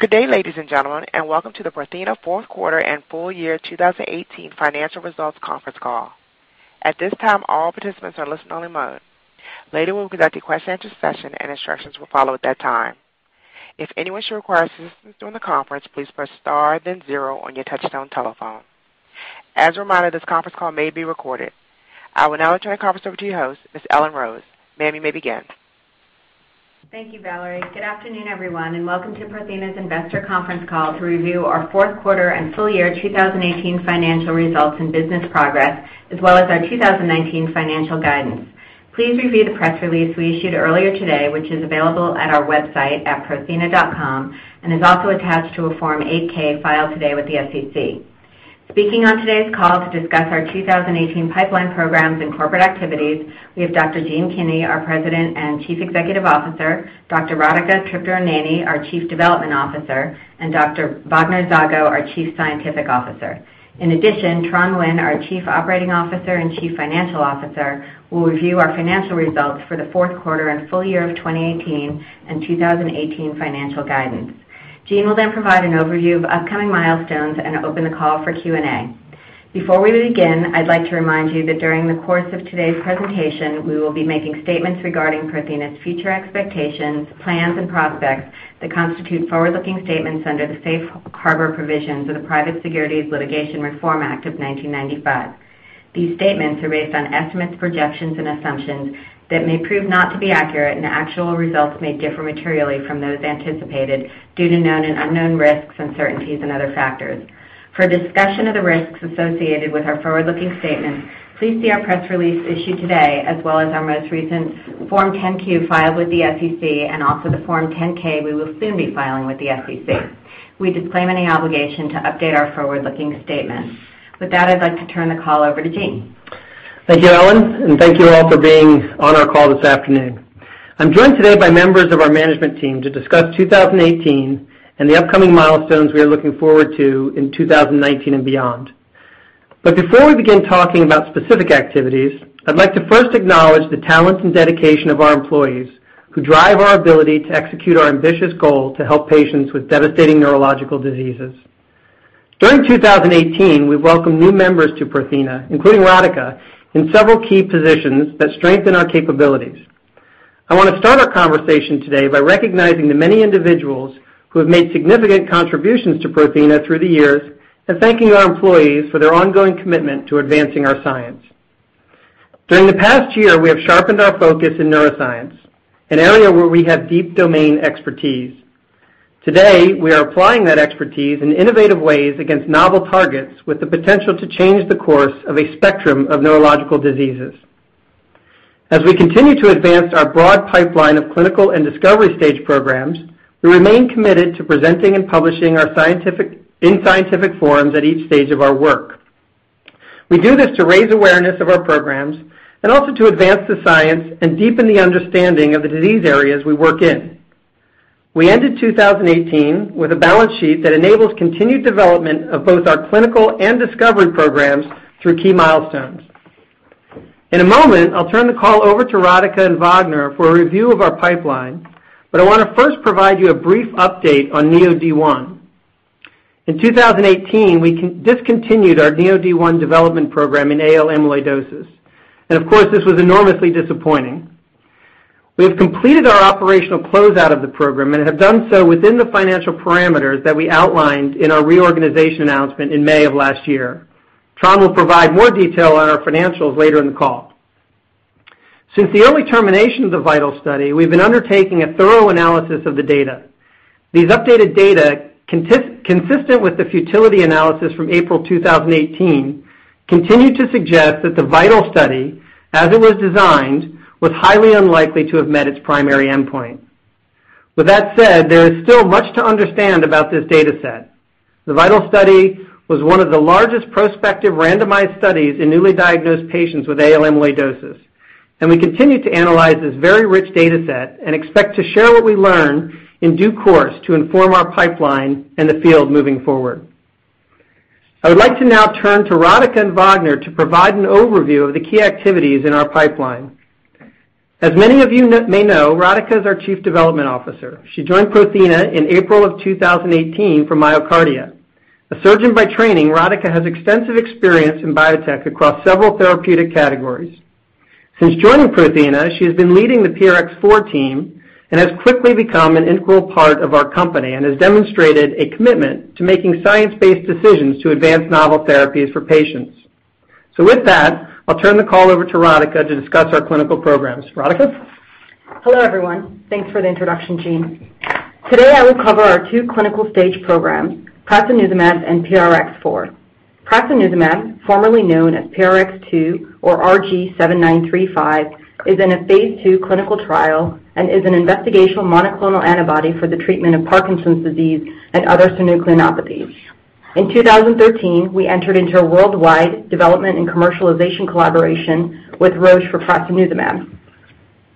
Good day, ladies and gentlemen, welcome to the Prothena fourth quarter and full year 2018 financial results conference call. At this time, all participants are in listen-only mode. Later, we'll conduct a question and answer session, Instructions will follow at that time. If anyone should require assistance during the conference, please press star then zero on your touchtone telephone. As a reminder, this conference call may be recorded. I will now turn the conference over to your host, Ms. Ellen Rose. Ma'am, you may begin. Thank you, Valerie. Good afternoon, everyone, welcome to Prothena's investor conference call to review our fourth quarter and full year 2018 financial results and business progress, as well as our 2019 financial guidance. Please review the press release we issued earlier today, which is available at our website at prothena.com and is also attached to a Form 8-K filed today with the SEC. Speaking on today's call to discuss our 2018 pipeline programs and corporate activities, we have Dr. Gene Kinney, our President and Chief Executive Officer, Dr. Radhika Tripuraneni, our Chief Development Officer, and Dr. Wagner Zago, our Chief Scientific Officer. In addition, Tran Nguyen, our Chief Operating Officer and Chief Financial Officer, will review our financial results for the fourth quarter and full year of 2018 and 2018 financial guidance. Gene will provide an overview of upcoming milestones and open the call for Q&A. Before we begin, I'd like to remind you that during the course of today's presentation, we will be making statements regarding Prothena's future expectations, plans, and prospects that constitute forward-looking statements under the Safe Harbor provisions of the Private Securities Litigation Reform Act of 1995. These statements are based on estimates, projections, and assumptions that may prove not to be accurate. Actual results may differ materially from those anticipated due to known and unknown risks, uncertainties, and other factors. For a discussion of the risks associated with our forward-looking statements, please see our press release issued today, as well as our most recent Form 10-Q filed with the SEC and also the Form 10-K we will soon be filing with the SEC. We disclaim any obligation to update our forward-looking statements. With that, I'd like to turn the call over to Gene. Thank you, Ellen. Thank you all for being on our call this afternoon. I'm joined today by members of our management team to discuss 2018 and the upcoming milestones we are looking forward to in 2019 and beyond. Before we begin talking about specific activities, I'd like to first acknowledge the talent and dedication of our employees who drive our ability to execute our ambitious goal to help patients with devastating neurological diseases. During 2018, we welcomed new members to Prothena, including Radhika, in several key positions that strengthen our capabilities. I want to start our conversation today by recognizing the many individuals who have made significant contributions to Prothena through the years and thanking our employees for their ongoing commitment to advancing our science. During the past year, we have sharpened our focus in neuroscience, an area where we have deep domain expertise. Today, we are applying that expertise in innovative ways against novel targets with the potential to change the course of a spectrum of neurological diseases. As we continue to advance our broad pipeline of clinical and discovery stage programs, we remain committed to presenting and publishing in scientific forums at each stage of our work. We do this to raise awareness of our programs and also to advance the science and deepen the understanding of the disease areas we work in. We ended 2018 with a balance sheet that enables continued development of both our clinical and discovery programs through key milestones. In a moment, I'll turn the call over to Radhika and Wagner for a review of our pipeline, but I want to first provide you a brief update on NEOD001. In 2018, we discontinued our NEOD001 development program in AL amyloidosis, of course, this was enormously disappointing. We have completed our operational closeout of the program and have done so within the financial parameters that we outlined in our reorganization announcement in May of last year. Tran will provide more detail on our financials later in the call. Since the early termination of the VITAL study, we've been undertaking a thorough analysis of the data. These updated data, consistent with the futility analysis from April 2018, continue to suggest that the VITAL study, as it was designed, was highly unlikely to have met its primary endpoint. There is still much to understand about this data set. The VITAL study was one of the largest prospective randomized studies in newly diagnosed patients with AL amyloidosis, we continue to analyze this very rich data set and expect to share what we learn in due course to inform our pipeline and the field moving forward. I would like to now turn to Radhika and Wagner to provide an overview of the key activities in our pipeline. As many of you may know, Radhika is our Chief Development Officer. She joined Prothena in April of 2018 from MyoKardia. A surgeon by training, Radhika has extensive experience in biotech across several therapeutic categories. Since joining Prothena, she has been leading the PRX004 team, has quickly become an integral part of our company, and has demonstrated a commitment to making science-based decisions to advance novel therapies for patients. I'll turn the call over to Radhika to discuss our clinical programs. Radhika? Hello, everyone. Thanks for the introduction, Gene. Today, I will cover our two clinical stage programs, prasinezumab and PRX004. Prasinezumab, formerly known as PRX002 or RG7935, is in a phase II clinical trial, is an investigational monoclonal antibody for the treatment of Parkinson's disease and other synucleinopathies. In 2013, we entered into a worldwide development and commercialization collaboration with Roche for prasinezumab.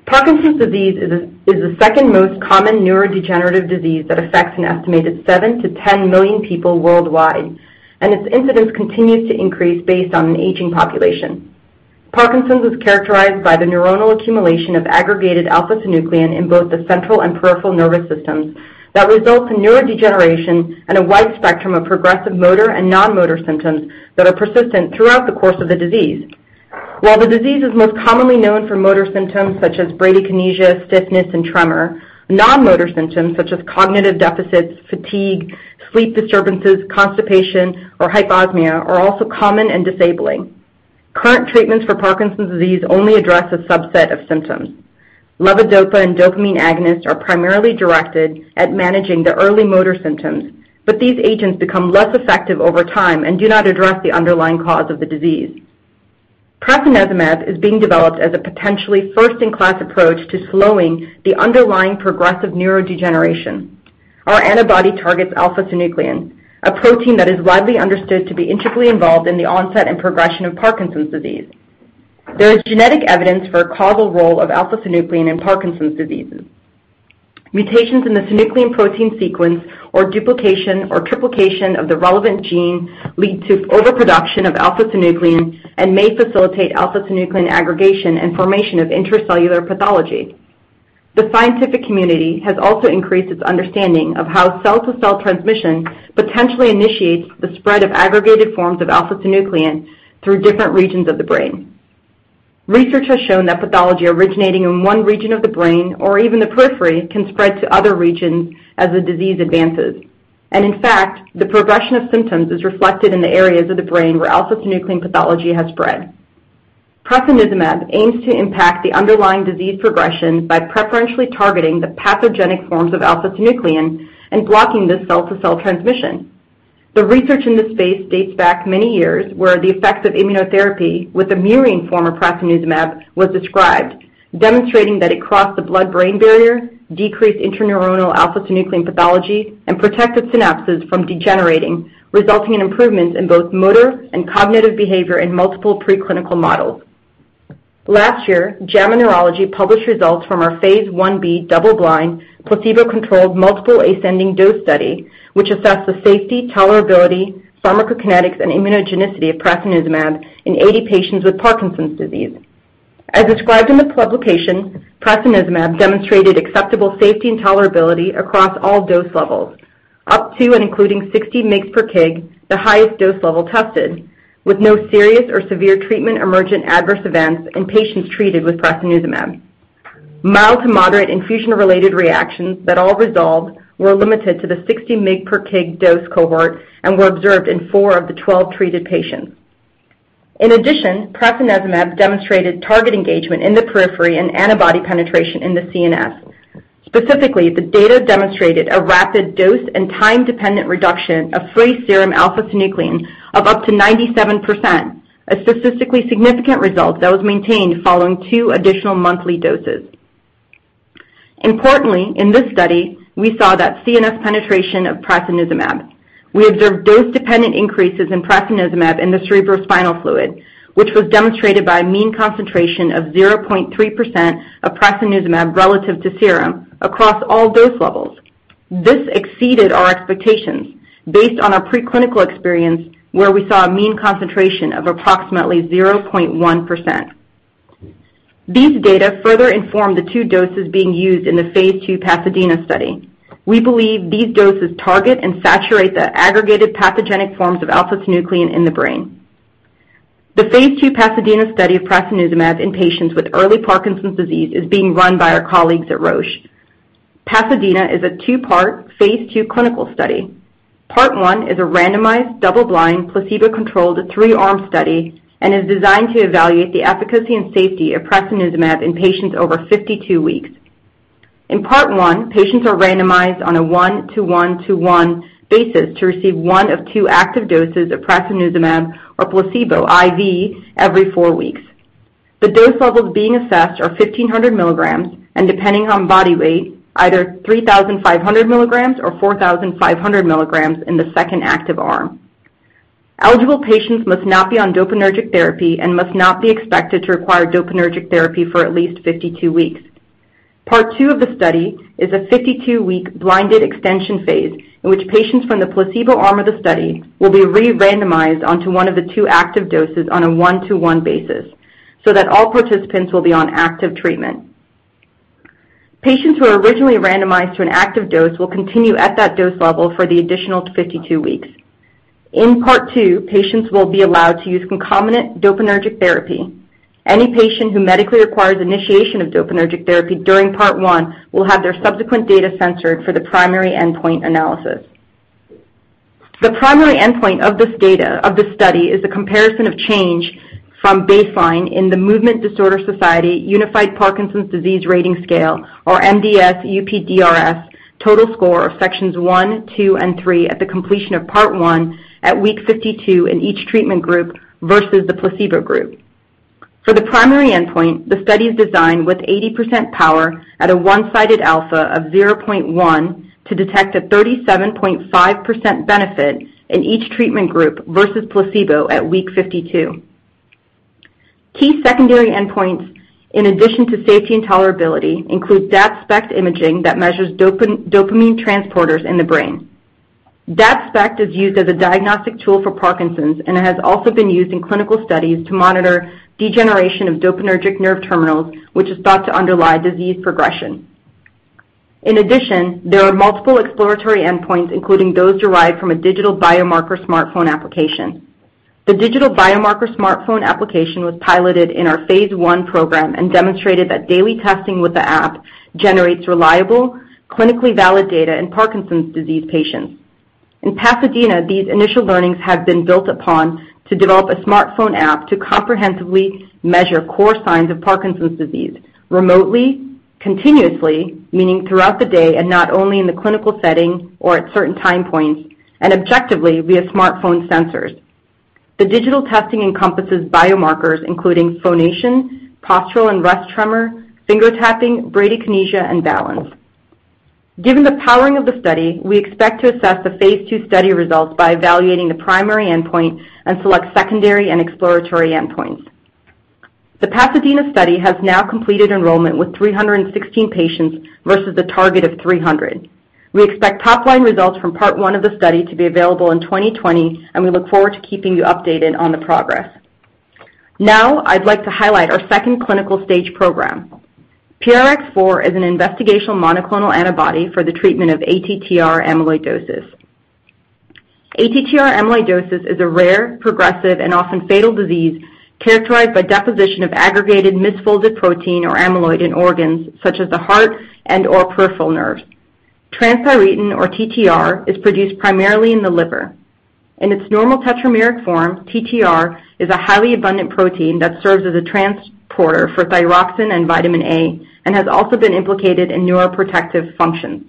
Parkinson's disease is the second most common neurodegenerative disease that affects an estimated 7 million-10 million people worldwide, its incidence continues to increase based on an aging population. Parkinson's is characterized by the neuronal accumulation of aggregated alpha-synuclein in both the central and peripheral nervous systems that results in neurodegeneration and a wide spectrum of progressive motor and non-motor symptoms that are persistent throughout the course of the disease. While the disease is most commonly known for motor symptoms such as bradykinesia, stiffness, and tremor, non-motor symptoms such as cognitive deficits, fatigue, sleep disturbances, constipation, or hyposmia are also common and disabling. Current treatments for Parkinson's disease only address a subset of symptoms. Levodopa and dopamine agonists are primarily directed at managing the early motor symptoms, but these agents become less effective over time and do not address the underlying cause of the disease. Prasinezumab is being developed as a potentially first-in-class approach to slowing the underlying progressive neurodegeneration. Our antibody targets alpha-synuclein, a protein that is widely understood to be integrally involved in the onset and progression of Parkinson's disease. There is genetic evidence for a causal role of alpha-synuclein in Parkinson's disease. Mutations in the synuclein protein sequence or duplication or triplication of the relevant gene lead to overproduction of alpha-synuclein and may facilitate alpha-synuclein aggregation and formation of intracellular pathology. The scientific community has also increased its understanding of how cell-to-cell transmission potentially initiates the spread of aggregated forms of alpha-synuclein through different regions of the brain. Research has shown that pathology originating in one region of the brain or even the periphery can spread to other regions as the disease advances. In fact, the progression of symptoms is reflected in the areas of the brain where alpha-synuclein pathology has spread. Prasinezumab aims to impact the underlying disease progression by preferentially targeting the pathogenic forms of alpha-synuclein and blocking this cell-to-cell transmission. The research in this space dates back many years, where the effects of immunotherapy with a murine form of prasinezumab was described, demonstrating that it crossed the blood-brain barrier, decreased intraneuronal alpha-synuclein pathology, and protected synapses from degenerating, resulting in improvements in both motor and cognitive behavior in multiple preclinical models. Last year, JAMA Neurology published results from our phase I-B double-blind, placebo-controlled, multiple ascending dose study, which assessed the safety, tolerability, pharmacokinetics, and immunogenicity of prasinezumab in 80 patients with Parkinson's disease. As described in this publication, prasinezumab demonstrated acceptable safety and tolerability across all dose levels, up to and including 60 mg per kg, the highest dose level tested, with no serious or severe treatment emergent adverse events in patients treated with prasinezumab. Mild to moderate infusion-related reactions that all resolved were limited to the 60 mg per kg dose cohort and were observed in 12 of the 4 treated patients. In addition, prasinezumab demonstrated target engagement in the periphery and antibody penetration in the CNS. Specifically, the data demonstrated a rapid dose and time-dependent reduction of free serum alpha-synuclein of up to 97%, a statistically significant result that was maintained following two additional monthly doses. Importantly, in this study, we saw that CNS penetration of prasinezumab. We observed dose-dependent increases in prasinezumab in the cerebrospinal fluid, which was demonstrated by a mean concentration of 0.3% of prasinezumab relative to serum across all dose levels. This exceeded our expectations based on our preclinical experience where we saw a mean concentration of approximately 0.1%. These data further inform the two doses being used in the phase II PASADENA study. We believe these doses target and saturate the aggregated pathogenic forms of alpha-synuclein in the brain. The phase II PASADENA study of prasinezumab in patients with early Parkinson's disease is being run by our colleagues at Roche. PASADENA is a two-part phase II clinical study. Part 1 is a randomized, double-blind, placebo-controlled, three-arm study and is designed to evaluate the efficacy and safety of prasinezumab in patients over 52 weeks. In Part 1, patients are randomized on a one-to-one-to-one basis to receive one of two active doses of prasinezumab or placebo IV every four weeks. The dose levels being assessed are 1,500 milligrams and, depending on body weight, either 3,500 milligrams or 4,500 milligrams in the second active arm. Eligible patients must not be on dopaminergic therapy and must not be expected to require dopaminergic therapy for at least 52 weeks. Part 2 of the study is a 52-week blinded extension phase in which patients from the placebo arm of the study will be re-randomized onto one of the two active doses on a one-to-one basis so that all participants will be on active treatment. Patients who are originally randomized to an active dose will continue at that dose level for the additional 52 weeks. In Part 2, patients will be allowed to use concomitant dopaminergic therapy. Any patient who medically requires initiation of dopaminergic therapy during Part 1 will have their subsequent data censored for the primary endpoint analysis. The primary endpoint of this study is the comparison of change from baseline in the Movement Disorder Society Unified Parkinson's Disease Rating Scale, or MDS-UPDRS, total score of sections one, two, and three at the completion of Part 1 at week 52 in each treatment group versus the placebo group. For the primary endpoint, the study is designed with 80% power at a one-sided alpha of 0.1 to detect a 37.5% benefit in each treatment group versus placebo at week 52. Key secondary endpoints, in addition to safety and tolerability, include DaT-SPECT imaging that measures dopamine transporters in the brain. DaT-SPECT is used as a diagnostic tool for Parkinson's, and it has also been used in clinical studies to monitor degeneration of dopaminergic nerve terminals, which is thought to underlie disease progression. In addition, there are multiple exploratory endpoints, including those derived from a digital biomarker smartphone application. The digital biomarker smartphone application was piloted in our phase I program and demonstrated that daily testing with the app generates reliable, clinically valid data in Parkinson's disease patients. In PASADENA, these initial learnings have been built upon to develop a smartphone app to comprehensively measure core signs of Parkinson's disease remotely, continuously, meaning throughout the day and not only in the clinical setting or at certain time points, and objectively via smartphone sensors. The digital testing encompasses biomarkers including phonation, postural and rest tremor, finger tapping, bradykinesia, and balance. Given the powering of the study, we expect to assess the phase II study results by evaluating the primary endpoint and select secondary and exploratory endpoints. The PASADENA study has now completed enrollment with 316 patients versus the target of 300. We expect top-line results from Part 1 of the study to be available in 2020, and we look forward to keeping you updated on the progress. I'd like to highlight our second clinical stage program. PRX004 is an investigational monoclonal antibody for the treatment of ATTR amyloidosis. ATTR amyloidosis is a rare, progressive, and often fatal disease characterized by deposition of aggregated misfolded protein or amyloid in organs such as the heart and/or peripheral nerves. Transthyretin or TTR is produced primarily in the liver. In its normal tetrameric form, TTR is a highly abundant protein that serves as a transporter for thyroxine and vitamin A and has also been implicated in neuroprotective functions.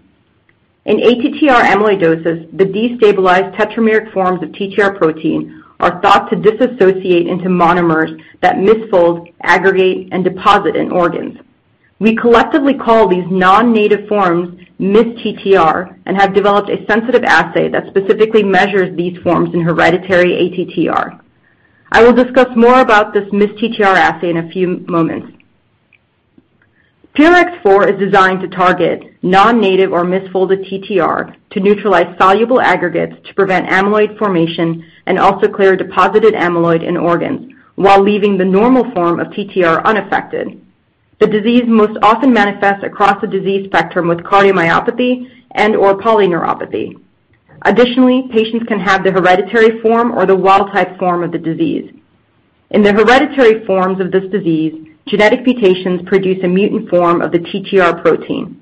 In ATTR amyloidosis, the destabilized tetrameric forms of TTR protein are thought to disassociate into monomers that misfold, aggregate, and deposit in organs. We collectively call these non-native forms misTTR and have developed a sensitive assay that specifically measures these forms in hereditary ATTR. I will discuss more about this misTTR assay in a few moments. PRX004 is designed to target non-native or misfolded TTR to neutralize soluble aggregates to prevent amyloid formation and also clear deposited amyloid in organs while leaving the normal form of TTR unaffected. The disease most often manifests across a disease spectrum with cardiomyopathy and/or polyneuropathy. Additionally, patients can have the hereditary form or the wild-type form of the disease. In the hereditary forms of this disease, genetic mutations produce a mutant form of the TTR protein.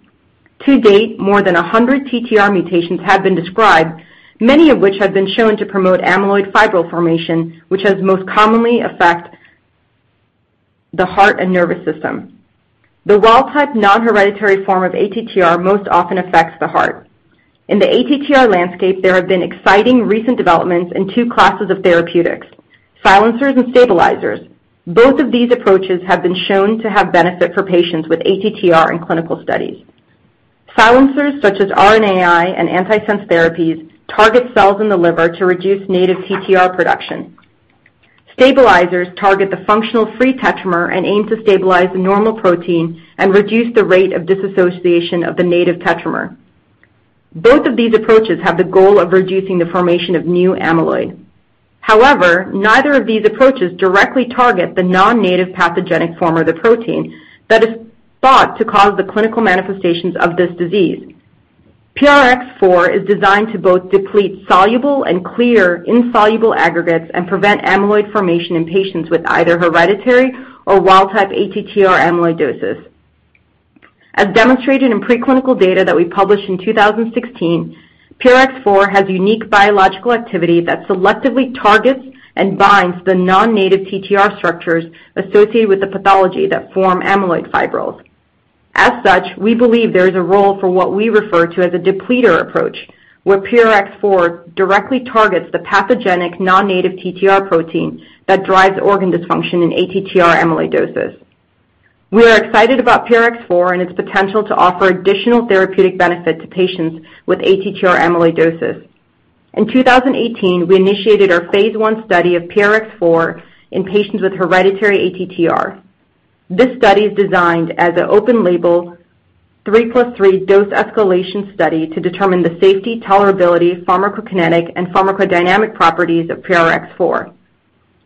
To date, more than 100 TTR mutations have been described, many of which have been shown to promote amyloid fibril formation, which has most commonly affect the heart and nervous system. The wild-type non-hereditary form of ATTR most often affects the heart. In the ATTR landscape, there have been exciting recent developments in two classes of therapeutics, silencers and stabilizers. Both of these approaches have been shown to have benefit for patients with ATTR in clinical studies. Silencers such as RNAi and antisense therapies target cells in the liver to reduce native TTR production. Stabilizers target the functional free tetramer and aim to stabilize the normal protein and reduce the rate of disassociation of the native tetramer. Both of these approaches have the goal of reducing the formation of new amyloid. However, neither of these approaches directly target the non-native pathogenic form of the protein that is thought to cause the clinical manifestations of this disease. PRX004 is designed to both deplete soluble and clear insoluble aggregates and prevent amyloid formation in patients with either hereditary or wild-type ATTR amyloidosis. As demonstrated in preclinical data that we published in 2016, PRX004 has unique biological activity that selectively targets and binds the non-native TTR structures associated with the pathology that form amyloid fibrils. As such, we believe there is a role for what we refer to as a depleter approach, where PRX004 directly targets the pathogenic non-native TTR protein that drives organ dysfunction in ATTR amyloidosis. We are excited about PRX004 and its potential to offer additional therapeutic benefit to patients with ATTR amyloidosis. In 2018, we initiated our phase I study of PRX004 in patients with hereditary ATTR. This study is designed as an open-label three plus three dose escalation study to determine the safety, tolerability, pharmacokinetic, and pharmacodynamic properties of PRX004.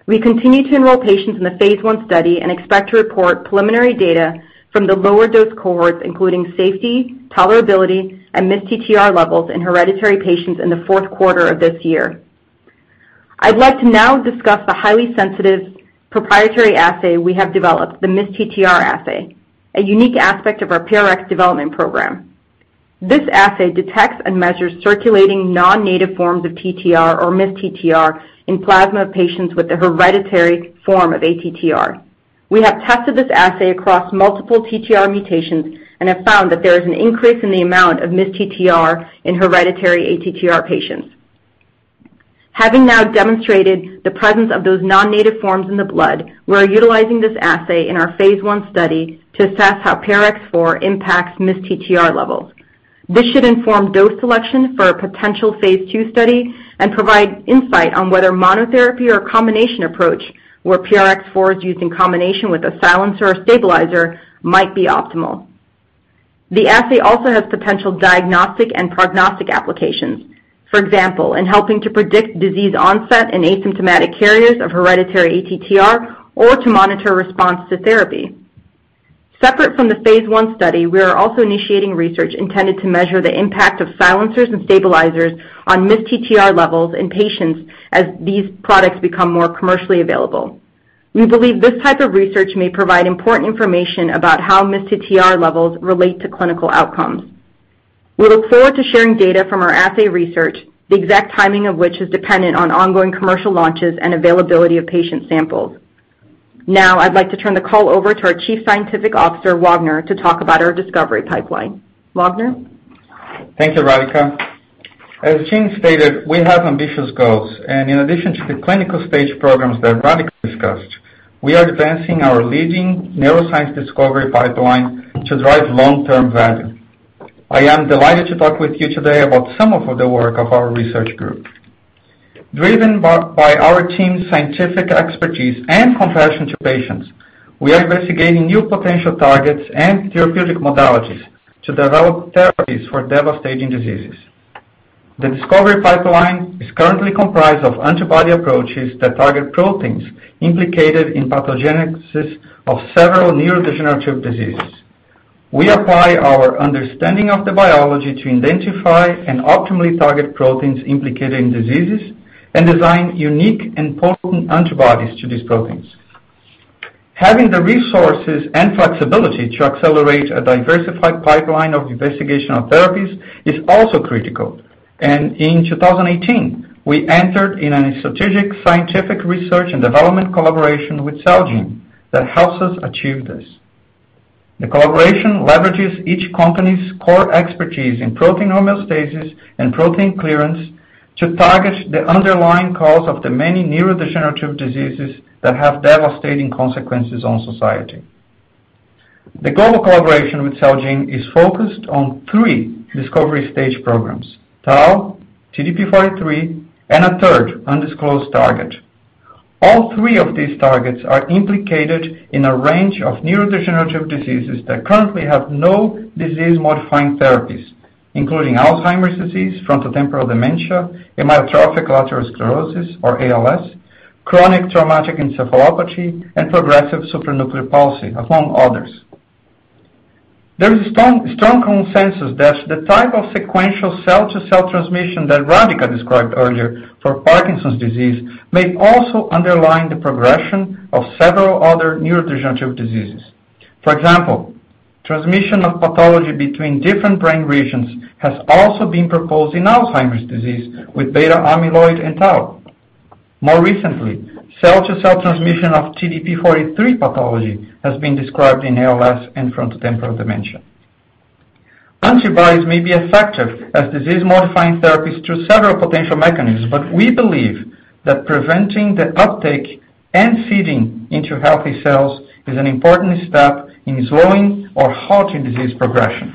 We continue to enroll patients in the phase I study and expect to report preliminary data from the lower dose cohorts, including safety, tolerability, and misTTR levels in hereditary patients in the fourth quarter of this year. I'd like to now discuss the highly sensitive proprietary assay we have developed, the misTTR assay, a unique aspect of our PRX development program. This assay detects and measures circulating non-native forms of TTR or misTTR in plasma patients with the hereditary form of ATTR. We have tested this assay across multiple TTR mutations and have found that there is an increase in the amount of misTTR in hereditary ATTR patients. Having now demonstrated the presence of those non-native forms in the blood, we are utilizing this assay in our phase I study to assess how PRX004 impacts misTTR levels. This should inform dose selection for a potential phase II study and provide insight on whether monotherapy or a combination approach where PRX004 is used in combination with a silencer or stabilizer might be optimal. The assay also has potential diagnostic and prognostic applications. For example, in helping to predict disease onset in asymptomatic carriers of hereditary ATTR, or to monitor response to therapy. Separate from the phase I study, we are also initiating research intended to measure the impact of silencers and stabilizers on misTTR levels in patients as these products become more commercially available. We believe this type of research may provide important information about how misTTR levels relate to clinical outcomes. We look forward to sharing data from our assay research, the exact timing of which is dependent on ongoing commercial launches and availability of patient samples. I'd like to turn the call over to our Chief Scientific Officer, Wagner, to talk about our discovery pipeline. Wagner? Thank you, Radhika. As Gene stated, we have ambitious goals. In addition to the clinical stage programs that Radhika discussed, we are advancing our leading neuroscience discovery pipeline to drive long-term value. I am delighted to talk with you today about some of the work of our research group. Driven by our team's scientific expertise and compassion to patients, we are investigating new potential targets and therapeutic modalities to develop therapies for devastating diseases. The discovery pipeline is currently comprised of antibody approaches that target proteins implicated in pathogenesis of several neurodegenerative diseases. We apply our understanding of the biology to identify and optimally target proteins implicated in diseases and design unique and potent antibodies to these proteins. Having the resources and flexibility to accelerate a diversified pipeline of investigational therapies is also critical. In 2018, we entered in a strategic scientific research and development collaboration with Celgene that helps us achieve this. The collaboration leverages each company's core expertise in protein homeostasis and protein clearance to target the underlying cause of the many neurodegenerative diseases that have devastating consequences on society. The global collaboration with Celgene is focused on 3 discovery stage programs, tau, TDP-43, and a third undisclosed target. All three of these targets are implicated in a range of neurodegenerative diseases that currently have no disease-modifying therapies, including Alzheimer's disease, frontotemporal dementia, amyotrophic lateral sclerosis or ALS, chronic traumatic encephalopathy, and progressive supranuclear palsy, among others. There is strong consensus that the type of sequential cell-to-cell transmission that Radhika described earlier for Parkinson's disease may also underline the progression of several other neurodegenerative diseases. For example, transmission of pathology between different brain regions has also been proposed in Alzheimer's disease with beta-amyloid and tau. More recently, cell-to-cell transmission of TDP-43 pathology has been described in ALS and frontotemporal dementia. Antibodies may be effective as disease-modifying therapies through several potential mechanisms, but we believe that preventing the uptake and seeding into healthy cells is an important step in slowing or halting disease progression.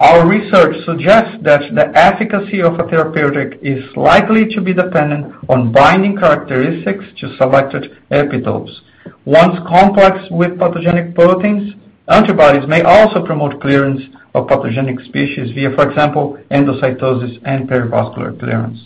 Our research suggests that the efficacy of a therapeutic is likely to be dependent on binding characteristics to selected epitopes. Once complex with pathogenic proteins, antibodies may also promote clearance of pathogenic species via, for example, endocytosis and perivascular clearance.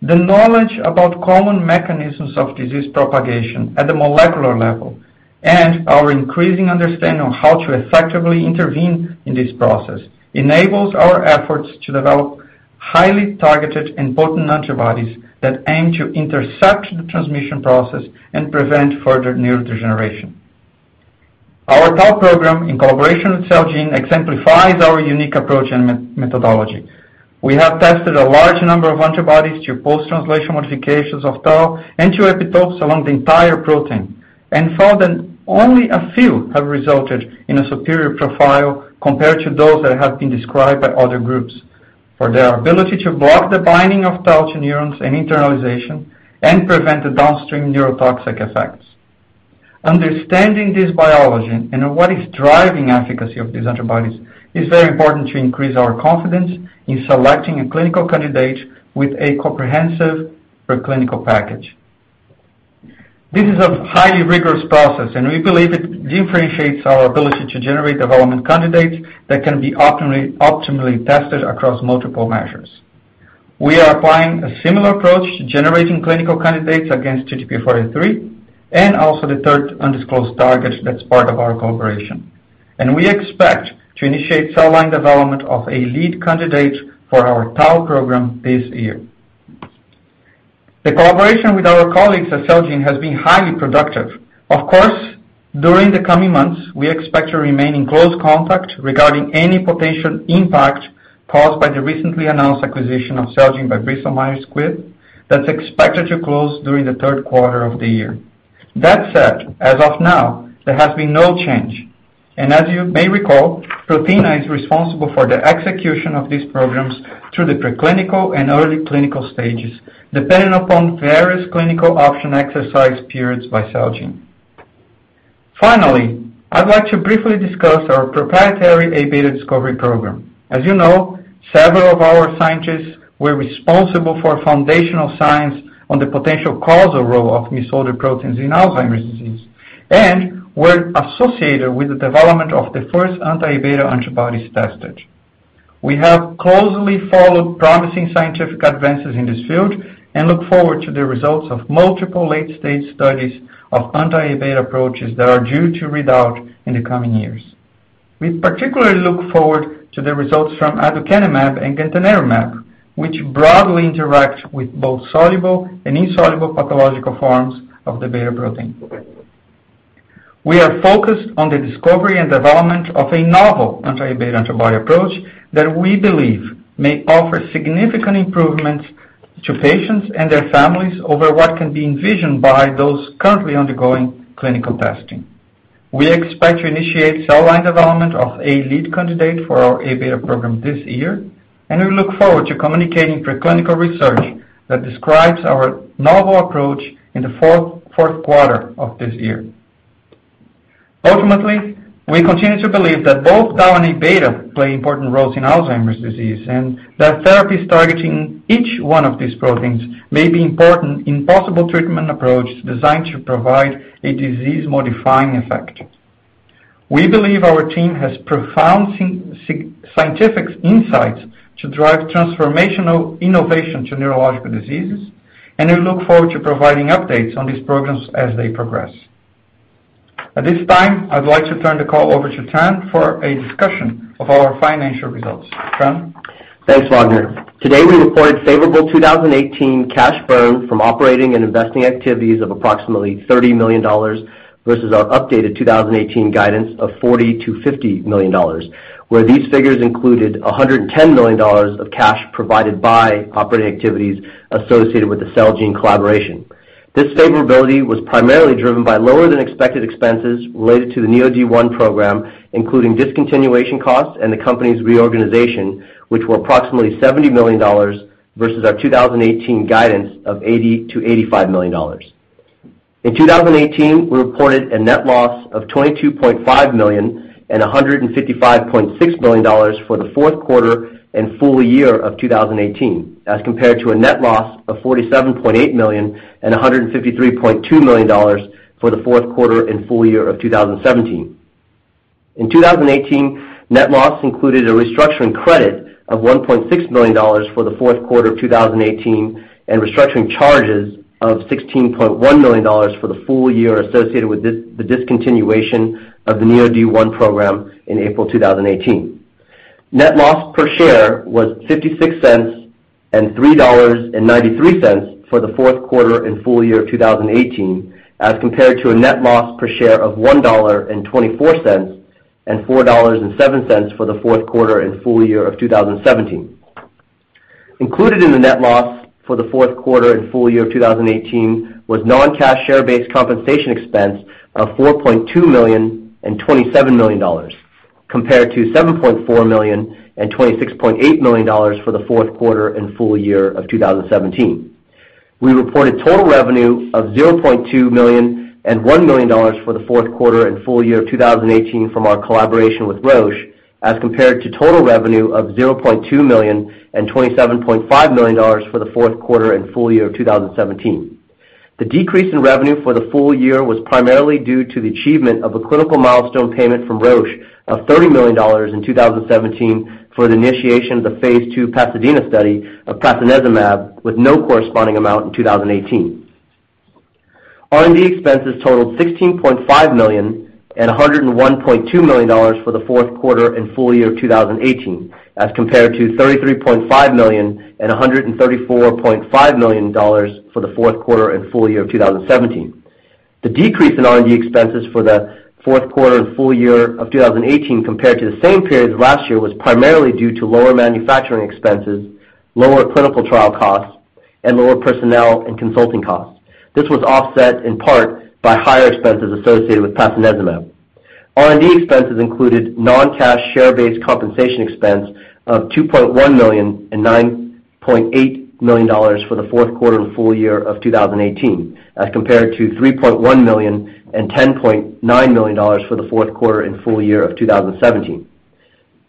The knowledge about common mechanisms of disease propagation at the molecular level and our increasing understanding of how to effectively intervene in this process enables our efforts to develop highly targeted and potent antibodies that aim to intercept the transmission process and prevent further neurodegeneration. Our tau program in collaboration with Celgene exemplifies our unique approach and methodology. We have tested a large number of antibodies to post-translational modifications of tau and to epitopes along the entire protein and found that only a few have resulted in a superior profile compared to those that have been described by other groups for their ability to block the binding of tau to neurons and internalization and prevent the downstream neurotoxic effects. Understanding this biology and what is driving efficacy of these antibodies is very important to increase our confidence in selecting a clinical candidate with a comprehensive preclinical package. This is a highly rigorous process, and we believe it differentiates our ability to generate development candidates that can be optimally tested across multiple measures. We are applying a similar approach to generating clinical candidates against TDP-43 and also the third undisclosed target that's part of our collaboration. We expect to initiate cell line development of a lead candidate for our tau program this year. The collaboration with our colleagues at Celgene has been highly productive. Of course, during the coming months, we expect to remain in close contact regarding any potential impact caused by the recently announced acquisition of Celgene by Bristol Myers Squibb that's expected to close during the third quarter of the year. That said, as of now, there has been no change. As you may recall, Prothena is responsible for the execution of these programs through the preclinical and early clinical stages, depending upon various clinical option exercise periods by Celgene. Finally, I'd like to briefly discuss our proprietary Aβ discovery program. As you know, several of our scientists were responsible for foundational science on the potential causal role of misfolded proteins in Alzheimer's disease and were associated with the development of the first anti-beta antibodies tested. We have closely followed promising scientific advances in this field and look forward to the results of multiple late-stage studies of anti-Aβ approaches that are due to read out in the coming years. We particularly look forward to the results from aducanumab and gantenerumab, which broadly interact with both soluble and insoluble pathological forms of the beta protein. We are focused on the discovery and development of a novel anti-Aβ antibody approach that we believe may offer significant improvements to patients and their families over what can be envisioned by those currently undergoing clinical testing. We expect to initiate cell line development of a lead candidate for our Aβ program this year. We look forward to communicating preclinical research that describes our novel approach in the fourth quarter of this year. Ultimately, we continue to believe that both tau and Aβ play important roles in Alzheimer's disease, and that therapies targeting each one of these proteins may be important in possible treatment approaches designed to provide a disease-modifying effect. We believe our team has profound scientific insights to drive transformational innovation to neurological diseases. We look forward to providing updates on these programs as they progress. At this time, I'd like to turn the call over to Tran for a discussion of our financial results. Tran? Thanks, Wagner. Today, we reported favorable 2018 cash burn from operating and investing activities of approximately $30 million versus our updated 2018 guidance of $40 million-$50 million, where these figures included $110 million of cash provided by operating activities associated with the Celgene collaboration. This favorability was primarily driven by lower than expected expenses related to the NEOD001 program, including discontinuation costs and the company's reorganization, which were approximately $70 million versus our 2018 guidance of $80 million-$85 million. In 2018, we reported a net loss of $22.5 million and $155.6 million for the fourth quarter and full year of 2018, as compared to a net loss of $47.8 million and $153.2 million for the fourth quarter and full year of 2017. In 2018, net loss included a restructuring credit of $1.6 million for the fourth quarter of 2018 and restructuring charges of $16.1 million for the full year associated with the discontinuation of the NEOD001 program in April 2018. Net loss per share was $0.56 and $3.93 for the fourth quarter and full year of 2018, as compared to a net loss per share of $1.24 and $4.07 for the fourth quarter and full year of 2017. Included in the net loss for the fourth quarter and full year of 2018 was non-cash share-based compensation expense of $4.2 million and $27 million, compared to $7.4 million and $26.8 million for the fourth quarter and full year of 2017. We reported total revenue of $0.2 million and $1 million for the fourth quarter and full year of 2018 from our collaboration with Roche, as compared to total revenue of $0.2 million and $27.5 million for the fourth quarter and full year of 2017. The decrease in revenue for the full year was primarily due to the achievement of a clinical milestone payment from Roche of $30 million in 2017 for the initiation of the Phase II PASADENA study of prasinezumab, with no corresponding amount in 2018. R&D expenses totaled $16.5 million and $101.2 million for the fourth quarter and full year of 2018, as compared to $33.5 million and $134.5 million for the fourth quarter and full year of 2017. The decrease in R&D expenses for the fourth quarter and full year of 2018 compared to the same period last year was primarily due to lower manufacturing expenses, lower clinical trial costs, and lower personnel and consulting costs. This was offset in part by higher expenses associated with prasinezumab. R&D expenses included non-cash share-based compensation expense of $2.1 million and $9.8 million for the fourth quarter and full year of 2018, as compared to $3.1 million and $10.9 million for the fourth quarter and full year of 2017.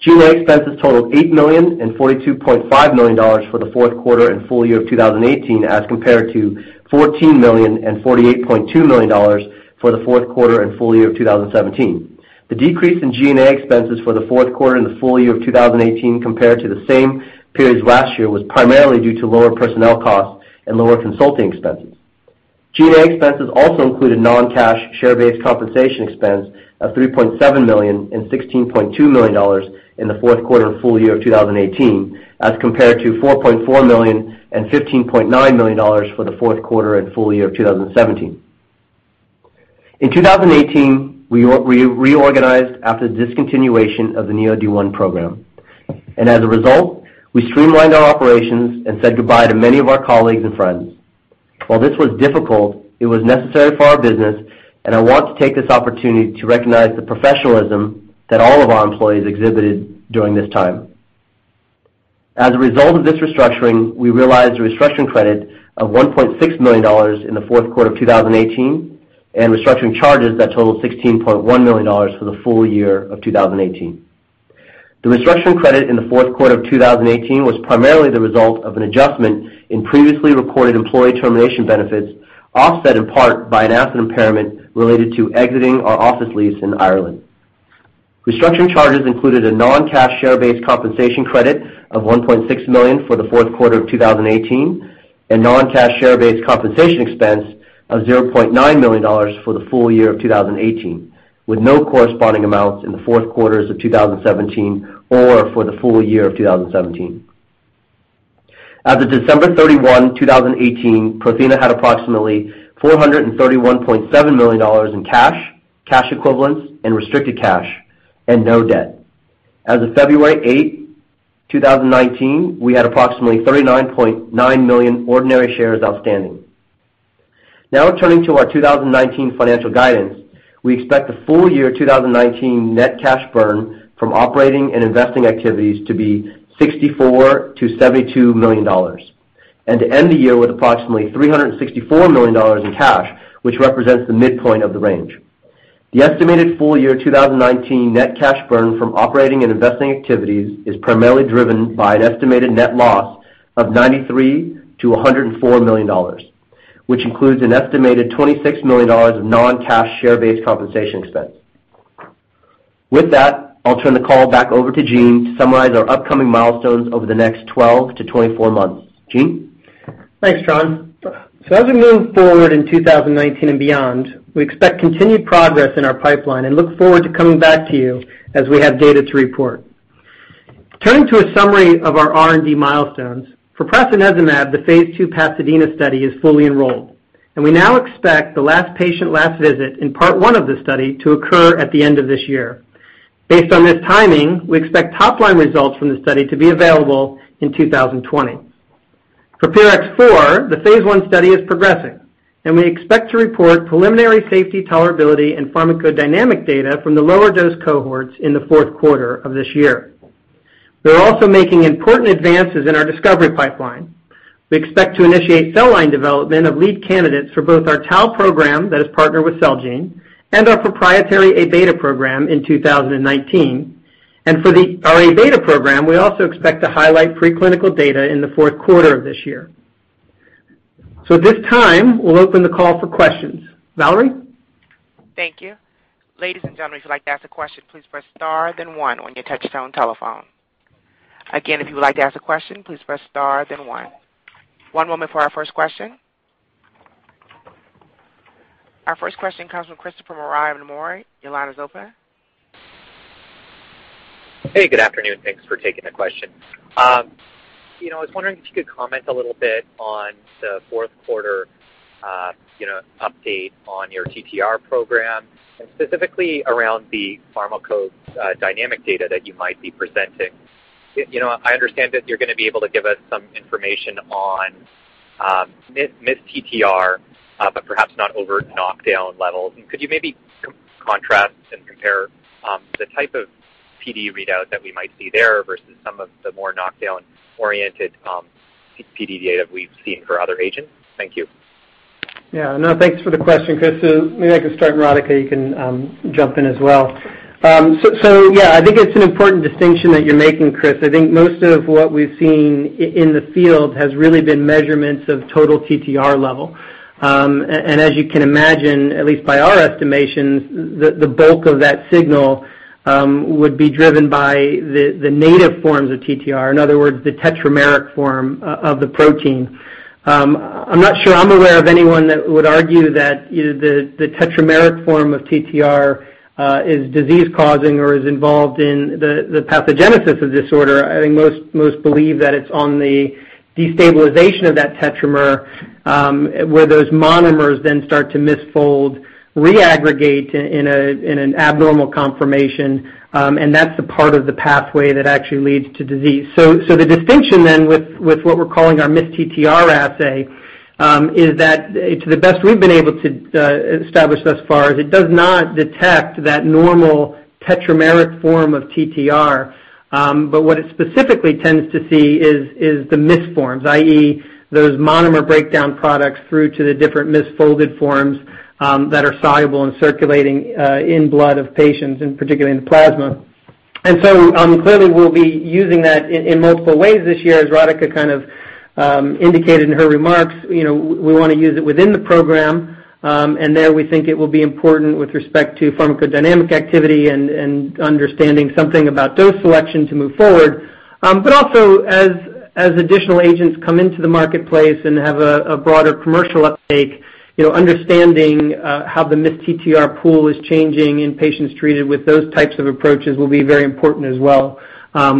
G&A expenses totaled $8 million and $42.5 million for the fourth quarter and full year of 2018, as compared to $14 million and $48.2 million for the fourth quarter and full year of 2017. The decrease in G&A expenses for the fourth quarter and the full year of 2018 compared to the same periods last year was primarily due to lower personnel costs and lower consulting expenses. G&A expenses also included non-cash share-based compensation expense of $3.7 million and $16.2 million in the fourth quarter and full year of 2018, as compared to $4.4 million and $15.9 million for the fourth quarter and full year of 2017. In 2018, we reorganized after the discontinuation of the NEOD001 program. As a result, we streamlined our operations and said goodbye to many of our colleagues and friends. While this was difficult, it was necessary for our business, I want to take this opportunity to recognize the professionalism that all of our employees exhibited during this time. As a result of this restructuring, we realized a restructuring credit of $1.6 million in the fourth quarter of 2018, and restructuring charges that totaled $16.1 million for the full year of 2018. The restructuring credit in the fourth quarter of 2018 was primarily the result of an adjustment in previously reported employee termination benefits, offset in part by an asset impairment related to exiting our office lease in Ireland. Restructuring charges included a non-cash share-based compensation credit of $1.6 million for the fourth quarter of 2018, and non-cash share-based compensation expense of $0.9 million for the full year of 2018, with no corresponding amounts in the fourth quarters of 2017 or for the full year of 2017. As of December 31, 2018, Prothena had approximately $431.7 million in cash equivalents, and restricted cash, and no debt. As of February 8, 2019, we had approximately 39.9 million ordinary shares outstanding. Turning to our 2019 financial guidance. We expect the full year 2019 net cash burn from operating and investing activities to be $64 million-$72 million, and to end the year with approximately $364 million in cash, which represents the midpoint of the range. The estimated full year 2019 net cash burn from operating and investing activities is primarily driven by an estimated net loss of $93 million-$104 million, which includes an estimated $26 million of non-cash share-based compensation expense. With that, I'll turn the call back over to Gene to summarize our upcoming milestones over the next 12 to 24 months. Gene? Thanks, Tran. As we move forward in 2019 and beyond, we expect continued progress in our pipeline and look forward to coming back to you as we have data to report. Turning to a summary of our R&D milestones. For prasinezumab, the phase II PASADENA study is fully enrolled, and we now expect the last patient last visit in part one of this study to occur at the end of this year. Based on this timing, we expect top-line results from this study to be available in 2020. For PRX004, the phase I study is progressing, and we expect to report preliminary safety tolerability and pharmacodynamic data from the lower dose cohorts in the fourth quarter of this year. We're also making important advances in our discovery pipeline. We expect to initiate cell line development of lead candidates for both our tau program that is partnered with Celgene and our proprietary Aβ program in 2019. For our Aβ program, we also expect to highlight pre-clinical data in the fourth quarter of this year. At this time, we'll open the call for questions. Valerie? Thank you. Ladies and gentlemen, if you'd like to ask a question, please press star then one on your touchtone telephone. Again, if you would like to ask a question, please press star then one. One moment for our first question. Our first question comes from Christopher Marai of Nomura. Your line is open. Hey, good afternoon. Thanks for taking the question. I was wondering if you could comment a little bit on the fourth quarter update on your TTR program, specifically around the pharmacodynamic data that you might be presenting. I understand that you're going to be able to give us some information on misTTR. Perhaps not over knockdown levels. Could you maybe contrast and compare the type of PD readout that we might see there versus some of the more knockdown-oriented PD data we've seen for other agents? Thank you. Yeah. No, thanks for the question, Chris. Maybe I can start, and Radhika, you can jump in as well. Yeah, I think it's an important distinction that you're making, Chris. I think most of what we've seen in the field has really been measurements of total TTR level. As you can imagine, at least by our estimations, the bulk of that signal would be driven by the native forms of TTR, in other words, the tetrameric form of the protein. I'm not sure I'm aware of anyone that would argue that the tetrameric form of TTR is disease-causing or is involved in the pathogenesis of disorder. I think most believe that it's on the destabilization of that tetramer where those monomers then start to misfold, reaggregate in an abnormal conformation. That's the part of the pathway that actually leads to disease. The distinction then with what we're calling our misTTR assay, is that to the best we've been able to establish thus far is it does not detect that normal tetrameric form of TTR. What it specifically tends to see is the mis forms, i.e., those monomer breakdown products through to the different misfolded forms that are soluble and circulating in blood of patients, and particularly in the plasma. Clearly, we'll be using that in multiple ways this year. As Radhika kind of indicated in her remarks, we want to use it within the program. There we think it will be important with respect to pharmacodynamic activity and understanding something about dose selection to move forward. Also, as additional agents come into the marketplace and have a broader commercial uptake, understanding how the misTTR pool is changing in patients treated with those types of approaches will be very important as well,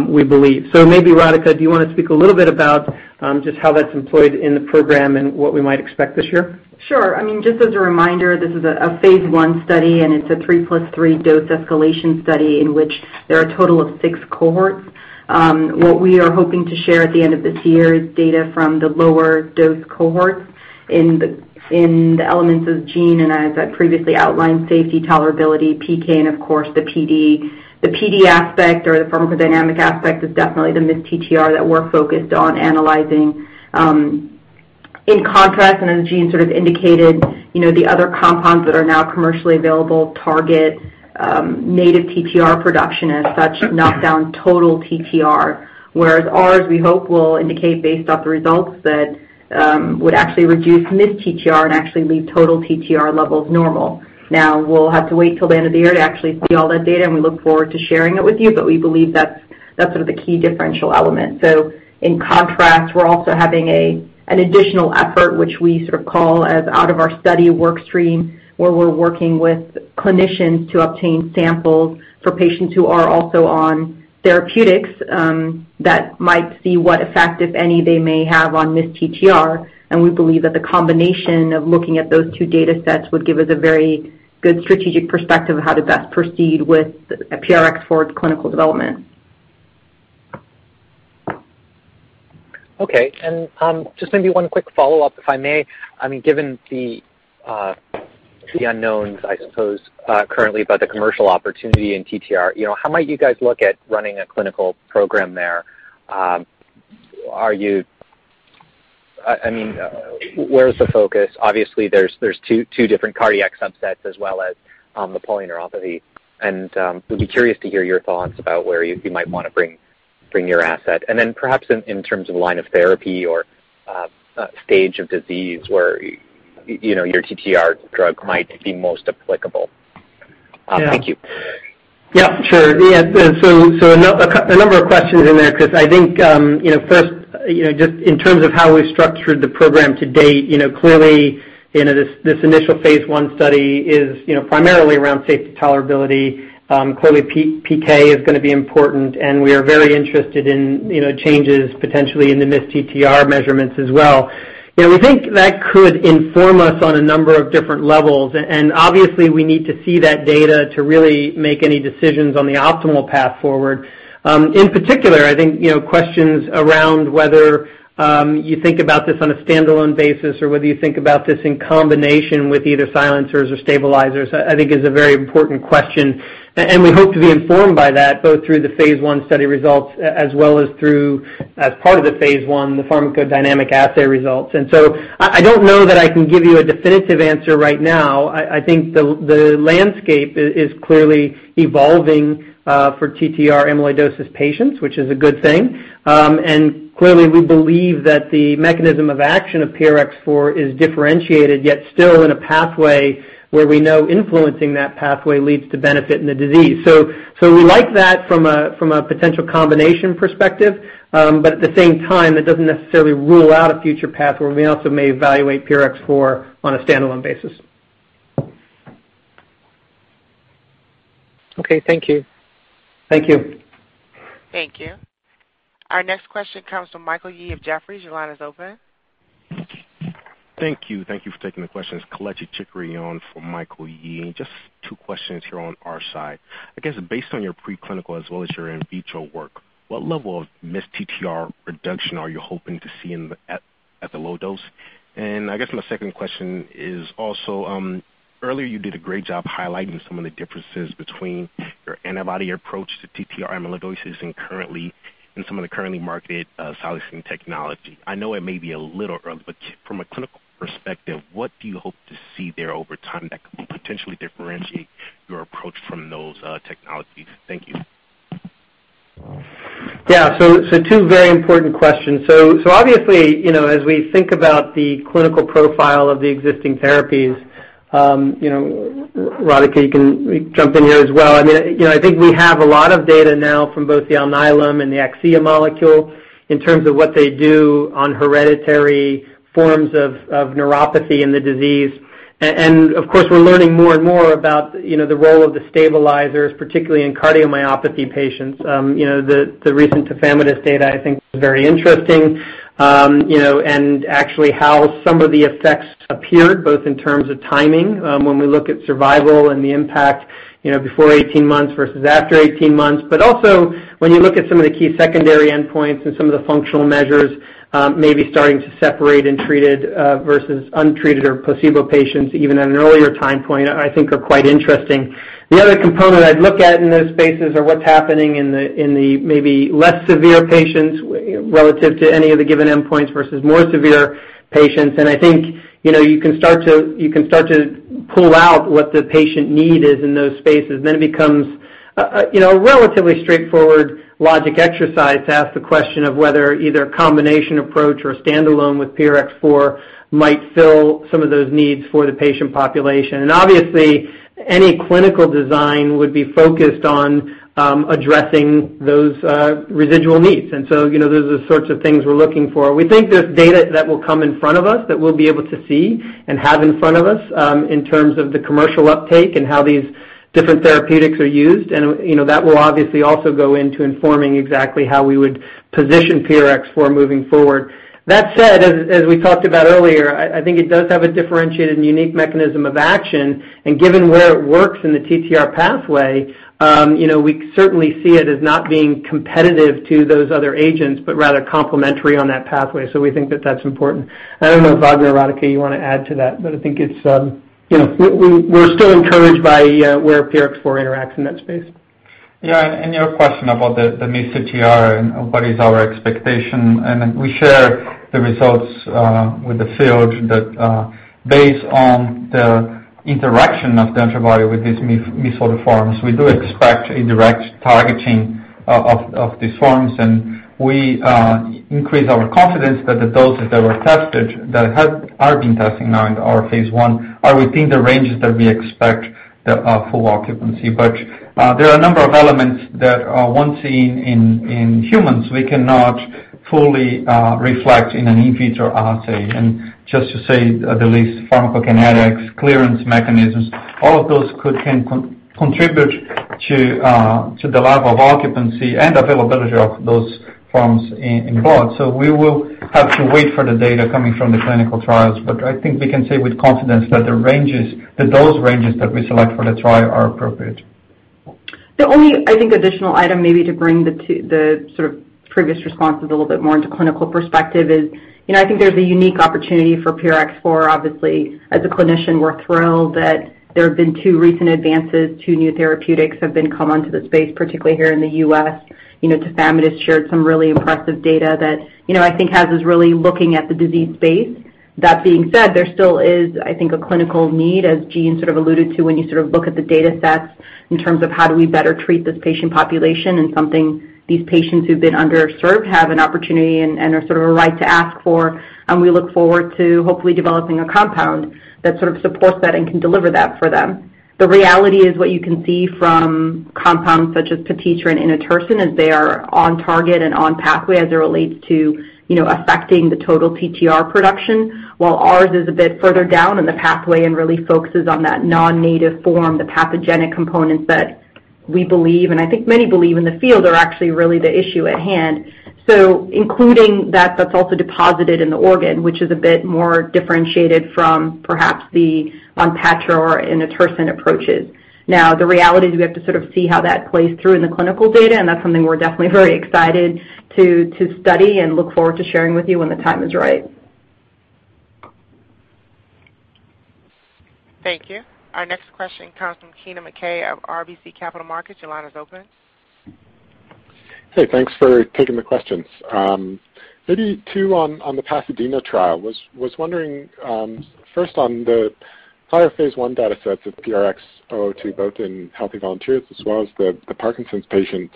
we believe. Maybe, Radhika, do you want to speak a little bit about just how that's employed in the program and what we might expect this year? Sure. Just as a reminder, this is a phase I study, and it's a three plus three dose escalation study in which there are a total of six cohorts. What we are hoping to share at the end of this year is data from the lower dose cohorts in the elements Gene and I have previously outlined safety, tolerability, PK, and of course, the PD. The PD aspect or the pharmacodynamic aspect is definitely the misTTR that we're focused on analyzing. In contrast, as Gene sort of indicated, the other compounds that are now commercially available target native TTR production and as such, knock down total TTR. Whereas ours, we hope, will indicate based off the results that would actually reduce misTTR and actually leave total TTR levels normal. We'll have to wait till the end of the year to actually see all that data, and we look forward to sharing it with you. We believe that's That's sort of the key differential element. In contrast, we're also having an additional effort, which we sort of call as out of our study work stream, where we're working with clinicians to obtain samples for patients who are also on therapeutics that might see what effect, if any, they may have on this TTR. We believe that the combination of looking at those two data sets would give us a very good strategic perspective of how to best proceed with PRX004 clinical development. Okay. Just maybe one quick follow-up, if I may. Given the unknowns, I suppose, currently about the commercial opportunity in TTR, how might you guys look at running a clinical program there? Where's the focus? Obviously, there's two different cardiac subsets as well as the polyneuropathy. We'd be curious to hear your thoughts about where you might want to bring your asset, then perhaps in terms of line of therapy or stage of disease where your TTR drug might be most applicable. Thank you. Yeah, sure. A number of questions in there, Chris. I think, first, just in terms of how we structured the program to date, clearly, this initial phase I study is primarily around safety tolerability. Clearly, PK is going to be important, we are very interested in changes potentially in the misTTR measurements as well. We think that could inform us on a number of different levels, obviously, we need to see that data to really make any decisions on the optimal path forward. In particular, I think questions around whether you think about this on a standalone basis or whether you think about this in combination with either silencers or stabilizers, I think is a very important question. We hope to be informed by that, both through the phase I study results as well as through, as part of the phase I, the pharmacodynamic assay results. I don't know that I can give you a definitive answer right now. I think the landscape is clearly evolving for TTR amyloidosis patients, which is a good thing. Clearly, we believe that the mechanism of action of PRX004 is differentiated, yet still in a pathway where we know influencing that pathway leads to benefit in the disease. We like that from a potential combination perspective, but at the same time, it doesn't necessarily rule out a future path where we also may evaluate PRX004 on a standalone basis. Okay. Thank you. Thank you. Thank you. Our next question comes from Michael Yee of Jefferies. Your line is open. Thank you for taking the question. It's Kelechi Chikere for Michael Yee. Just two questions here on our side. I guess based on your preclinical as well as your in vitro work, what level of misTTR reduction are you hoping to see at the low dose? I guess my second question is also, earlier you did a great job highlighting some of the differences between your antibody approach to ATTR amyloidosis and some of the currently marketed silencing technology. I know it may be a little early, but from a clinical perspective, what do you hope to see there over time that could potentially differentiate your approach from those technologies? Thank you. Two very important questions. Obviously, as we think about the clinical profile of the existing therapies, Radhika, you can jump in here as well. I think we have a lot of data now from both the Alnylam and the Akcea molecule in terms of what they do on hereditary forms of neuropathy in the disease. Of course, we're learning more and more about the role of the stabilizers, particularly in cardiomyopathy patients. The recent tafamidis data, I think, is very interesting, and actually how some of the effects appeared, both in terms of timing, when we look at survival and the impact before 18 months versus after 18 months. When you look at some of the key secondary endpoints and some of the functional measures maybe starting to separate in treated versus untreated or placebo patients, even at an earlier time point, I think are quite interesting. The other component I'd look at in those spaces are what's happening in the maybe less severe patients relative to any of the given endpoints versus more severe patients. I think you can start to pull out what the patient need is in those spaces. It becomes a relatively straightforward logic exercise to ask the question of whether either a combination approach or a standalone with PRX004 might fill some of those needs for the patient population. Obviously, any clinical design would be focused on addressing those residual needs. Those are the sorts of things we're looking for. We think there's data that will come in front of us that we'll be able to see and have in front of us in terms of the commercial uptake and how these different therapeutics are used. That will obviously also go into informing exactly how we would position PRX004 moving forward. That said, as we talked about earlier, I think it does have a differentiated and unique mechanism of action, and given where it works in the TTR pathway, we certainly see it as not being competitive to those other agents, but rather complementary on that pathway. We think that that's important. I don't know if Wagner or Radhika, you want to add to that, but I think we're still encouraged by where PRX004 interacts in that space. Yeah. Your question about the misTTR and what is our expectation, and we share the results with the field that based on the interaction of the antibody with these misfolded forms, we do expect a direct targeting of these forms. We increase our confidence that the doses that were tested, that are being tested now in our phase I, are within the ranges that we expect the full occupancy. There are a number of elements that are wanting in humans, we cannot fully reflect in an in vitro assay. Just to say the least, pharmacokinetics, clearance mechanisms, all of those can contribute to the level of occupancy and availability of those forms in blood. We will have to wait for the data coming from the clinical trials. I think we can say with confidence that the dose ranges that we select for the trial are appropriate. The only, I think, additional item maybe to bring the sort of previous responses a little bit more into clinical perspective is, I think there's a unique opportunity for PRX004. Obviously, as a clinician, we're thrilled that there have been two recent advances, two new therapeutics have been come onto the space, particularly here in the U.S. Tafamidis shared some really impressive data that I think has us really looking at the disease space. That being said, there still is, I think, a clinical need, as Gene sort of alluded to, when you sort of look at the data sets in terms of how do we better treat this patient population and something these patients who've been underserved have an opportunity and a sort of a right to ask for. We look forward to hopefully developing a compound that sort of supports that and can deliver that for them. The reality is what you can see from compounds such as TEGSEDI and inotersen is they are on target and on pathway as it relates to affecting the total TTR production. While ours is a bit further down in the pathway and really focuses on that non-native form, the pathogenic components that we believe, and I think many believe in the field, are actually really the issue at hand. Including that's also deposited in the organ, which is a bit more differentiated from perhaps the patisiran or inotersen approaches. The reality is we have to sort of see how that plays through in the clinical data, and that's something we're definitely very excited to study and look forward to sharing with you when the time is right. Thank you. Our next question comes from Kennen MacKay of RBC Capital Markets. Your line is open. Hey, thanks for taking the questions. Maybe two on the PASADENA trial. Was wondering, first on the prior phase I data sets of PRX002, both in healthy volunteers as well as the Parkinson's patients.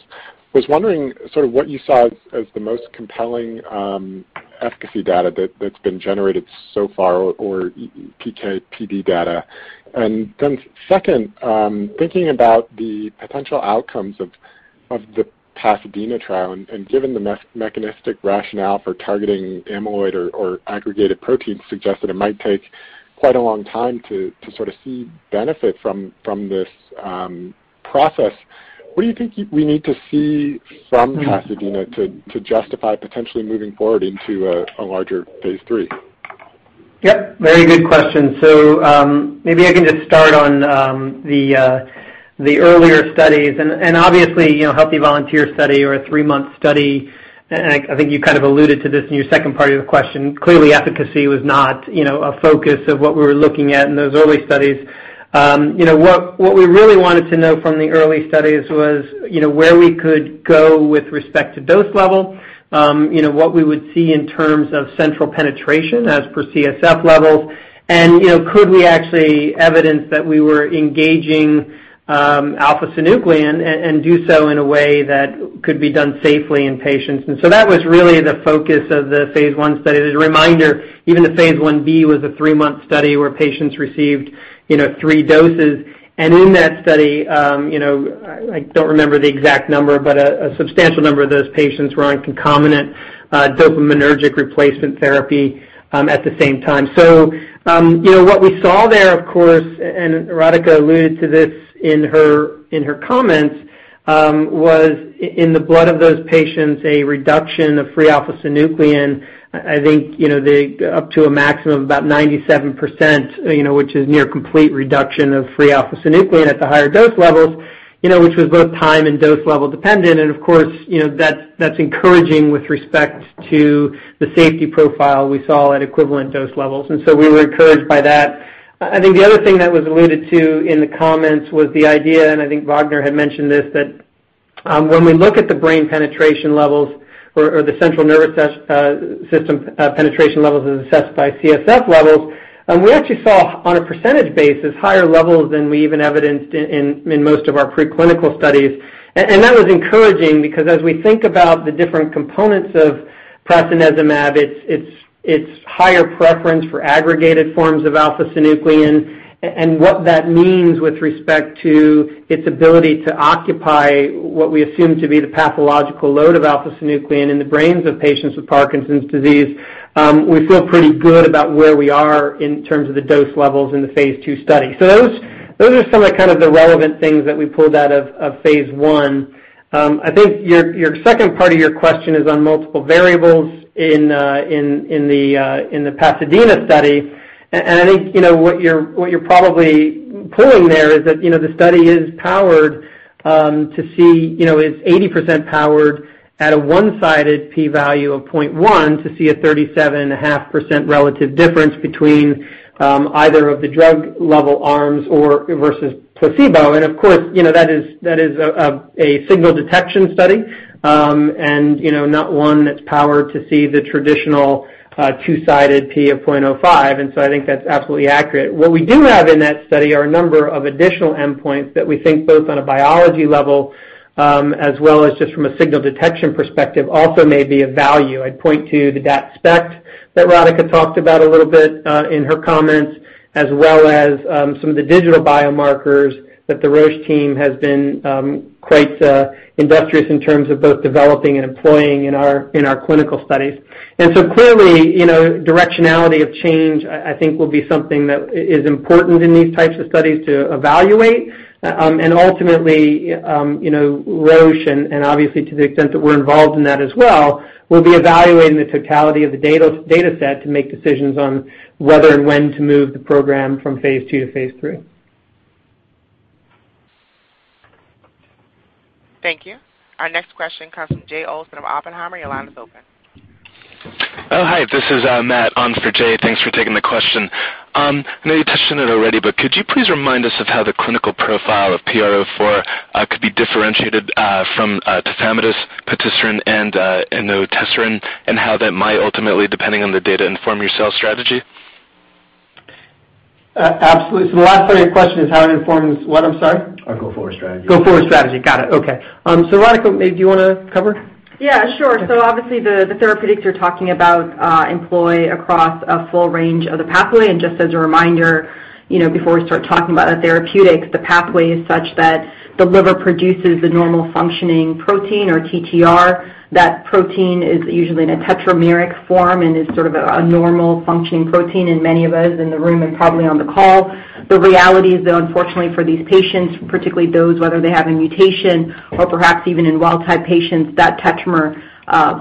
Was wondering sort of what you saw as the most compelling efficacy data that's been generated so far or PK/PD data. Second, thinking about the potential outcomes of the PASADENA trial and given the mechanistic rationale for targeting amyloid or aggregated proteins suggest that it might take quite a long time to sort of see benefit from this process. What do you think we need to see from PASADENA to justify potentially moving forward into a larger phase III? Yep, very good question. Maybe I can just start on the earlier studies and obviously, healthy volunteer study or a 3-month study, I think you kind of alluded to this in your second part of your question. Clearly, efficacy was not a focus of what we were looking at in those early studies. What we really wanted to know from the early studies was where we could go with respect to dose level, what we would see in terms of central penetration as per CSF levels, could we actually evidence that we were engaging alpha-synuclein and do so in a way that could be done safely in patients. That was really the focus of the phase I study. As a reminder, even the phase I-B was a 3-month study where patients received 3 doses. In that study, I don't remember the exact number, but a substantial number of those patients were on concomitant dopaminergic replacement therapy at the same time. What we saw there, of course, Radhika alluded to this in her comments, was in the blood of those patients, a reduction of free alpha-synuclein, I think, up to a maximum of about 97%, which is near complete reduction of free alpha-synuclein at the higher dose levels which was both time and dose level dependent. Of course, that's encouraging with respect to the safety profile we saw at equivalent dose levels. We were encouraged by that. I think the other thing that was alluded to in the comments was the idea, I think Wagner had mentioned this, that when we look at the brain penetration levels or the central nervous system penetration levels as assessed by CSF levels, we actually saw on a percentage basis, higher levels than we even evidenced in most of our preclinical studies. That was encouraging because as we think about the different components of prasinezumab, its higher preference for aggregated forms of alpha-synuclein, what that means with respect to its ability to occupy what we assume to be the pathological load of alpha-synuclein in the brains of patients with Parkinson's disease. We feel pretty good about where we are in terms of the dose levels in the phase II study. Those are some of the relevant things that we pulled out of phase I. I think your second part of your question is on multiple variables in the PASADENA study, I think what you're pulling there is that the study is 80% powered at a one-sided P value of 0.1 to see a 37.5% relative difference between either of the drug level arms or versus placebo. Of course, that is a signal detection study. Not one that's powered to see the traditional two-sided P of 0.05. I think that's absolutely accurate. What we do have in that study are a number of additional endpoints that we think both on a biology level, as well as just from a signal detection perspective, also may be of value. I'd point to the DaT-SPECT that Radhika talked about a little bit in her comments, as well as some of the digital biomarkers that the Roche team has been quite industrious in terms of both developing and employing in our clinical studies. Clearly, directionality of change, I think will be something that is important in these types of studies to evaluate. Ultimately, Roche, and obviously to the extent that we're involved in that as well, will be evaluating the totality of the data set to make decisions on whether and when to move the program from phase II to phase III. Thank you. Our next question comes from Jay Olson of Oppenheimer. Your line is open. Oh, hi. This is Matt on for Jay. Thanks for taking the question. I know you touched on it already, but could you please remind us of how the clinical profile of PRX004 could be differentiated from tafamidis, patisiran and inotersen, and how that might ultimately, depending on the data, inform your sales strategy? Absolutely. The last part of your question is how it informs what? I'm sorry. Our go-forward strategy. Go-forward strategy. Got it. Okay. Radhika, maybe do you want to cover? Yeah, sure. Obviously the therapeutics you're talking about employ across a full range of the pathway. Just as a reminder, before we start talking about therapeutics, the pathway is such that the liver produces a normal functioning protein or TTR. That protein is usually in a tetrameric form and is sort of a normal functioning protein in many of us in the room and probably on the call. The reality is, though, unfortunately for these patients, particularly those, whether they have a mutation or perhaps even in wild type patients, that tetramer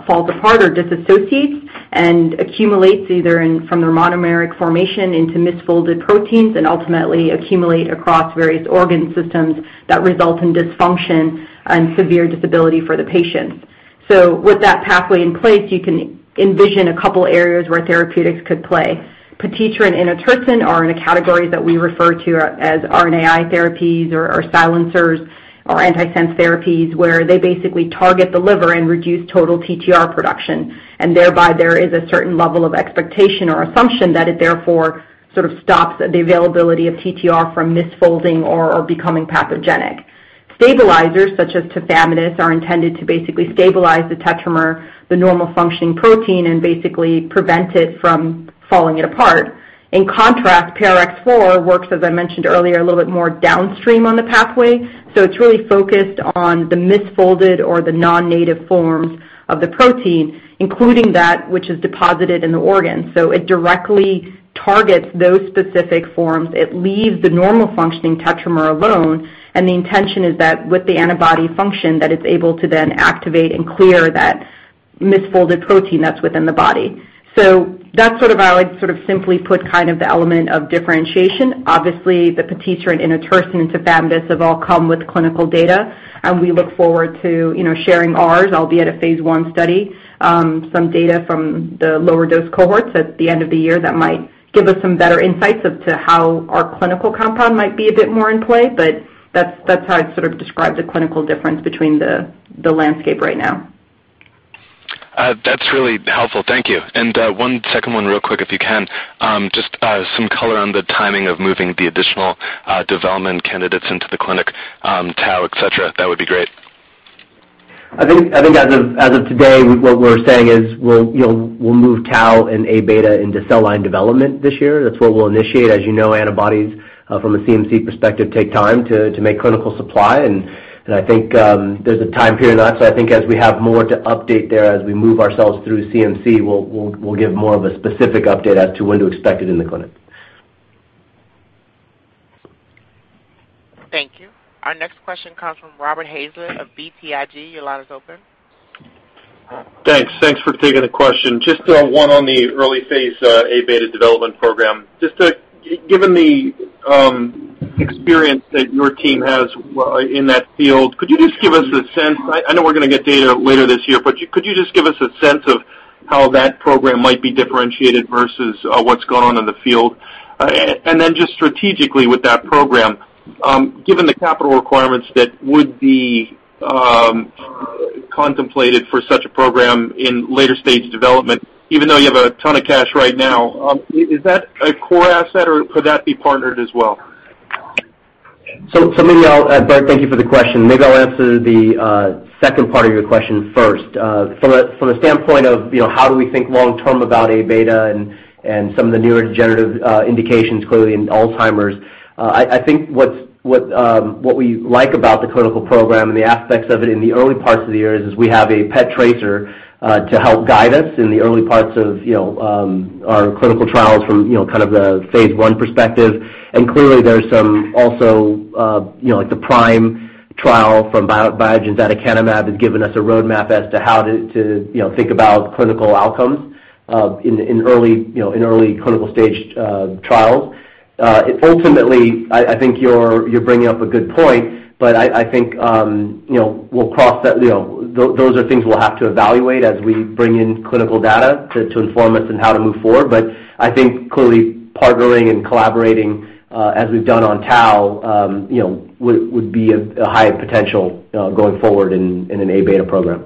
falls apart or disassociates and accumulates either from their monomeric formation into misfolded proteins and ultimately accumulate across various organ systems that result in dysfunction and severe disability for the patient. With that pathway in place, you can envision a couple areas where therapeutics could play. patisiran and inotersen are in a category that we refer to as RNAi therapies or silencers or antisense therapies, where they basically target the liver and reduce total TTR production. Thereby, there is a certain level of expectation or assumption that it therefore sort of stops the availability of TTR from misfolding or becoming pathogenic. Stabilizers such as tafamidis are intended to basically stabilize the tetramer, the normal functioning protein, and basically prevent it from falling it apart. In contrast, PRX004 works, as I mentioned earlier, a little bit more downstream on the pathway. It's really focused on the misfolded or the non-native forms of the protein, including that which is deposited in the organ. It directly targets those specific forms. It leaves the normal functioning tetramer alone, the intention is that with the antibody function, that it's able to then activate and clear that misfolded protein that's within the body. That's sort of how I would sort of simply put kind of the element of differentiation. Obviously, the patisiran, inotersen, tafamidis have all come with clinical data, and we look forward to sharing ours, albeit a phase I study. Some data from the lower dose cohorts at the end of the year that might give us some better insights as to how our clinical compound might be a bit more in play, that's how I'd sort of describe the clinical difference between the landscape right now. That's really helpful. Thank you. One second one real quick if you can. Just some color on the timing of moving the additional development candidates into the clinic, tau, et cetera. That would be great. I think as of today, what we're saying is we'll move tau and Aβ into cell line development this year. That's what we'll initiate. As you know, antibodies, from a CMC perspective, take time to make clinical supply, I think there's a time period on it. I think as we have more to update there, as we move ourselves through CMC, we'll give more of a specific update as to when to expect it in the clinic. Thank you. Our next question comes from Robert Hazlett of BTIG. Your line is open. Thanks. Thanks for taking the question. Just one on the early phase Aβ development program. Given the experience that your team has in that field, could you just give us a sense, I know we're going to get data later this year, but could you just give us a sense of how that program might be differentiated versus what's going on in the field? Strategically with that program, given the capital requirements that would be contemplated for such a program in later stage development, even though you have a ton of cash right now, is that a core asset or could that be partnered as well? Robert, thank you for the question. Maybe I'll answer the second part of your question first. From the standpoint of how do we think long term about Aβ and some of the neurodegenerative indications, clearly in Alzheimer's, I think what we like about the clinical program and the aspects of it in the early parts of the year is we have a PET tracer to help guide us in the early parts of our clinical trials from kind of the phase I perspective. Clearly there's some also, like the PRIME trial from Biogen's aducanumab has given us a roadmap as to how to think about clinical outcomes in early clinical stage trials. Ultimately, I think you're bringing up a good point, those are things we'll have to evaluate as we bring in clinical data to inform us on how to move forward. I think clearly partnering and collaborating, as we've done on tau, would be a high potential going forward in an Aβ program.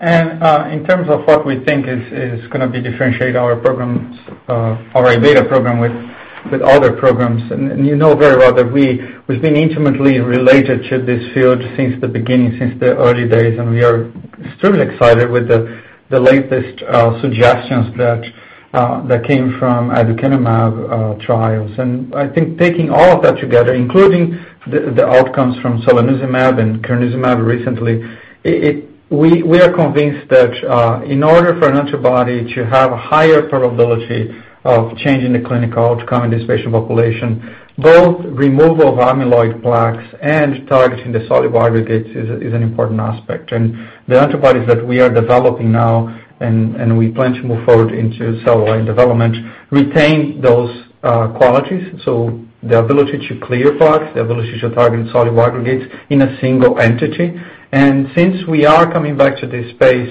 In terms of what we think is going to differentiate our Aβ program with other programs, you know very well that we've been intimately related to this field since the beginning, since the early days, we are extremely excited with the latest suggestions that came from aducanumab trials. I think taking all of that together, including the outcomes from solanezumab and crenezumab recently, we are convinced that in order for an antibody to have a higher probability of changing the clinical outcome in this patient population, both removal of amyloid plaques and targeting the soluble aggregates is an important aspect. The antibodies that we are developing now, and we plan to move forward into cellular development, retain those qualities. The ability to clear plaques, the ability to target soluble aggregates in a single entity. Since we are coming back to this space,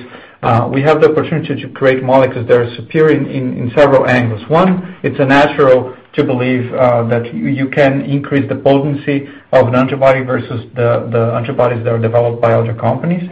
we have the opportunity to create molecules that are superior in several angles. One, it's natural to believe that you can increase the potency of an antibody versus the antibodies that are developed by other companies.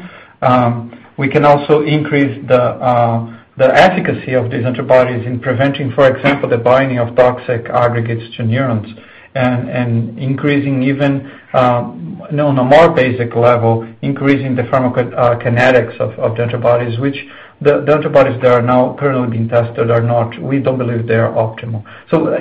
We can also increase the efficacy of these antibodies in preventing, for example, the binding of toxic aggregates to neurons and increasing even on a more basic level, increasing the pharmacokinetics of the antibodies, which the antibodies that are now currently being tested are not. We don't believe they are optimal.